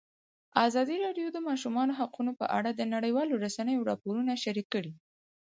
ازادي راډیو د د ماشومانو حقونه په اړه د نړیوالو رسنیو راپورونه شریک کړي.